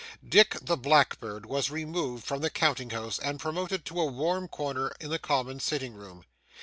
Dick, the blackbird, was removed from the counting house and promoted to a warm corner in the common sitting room.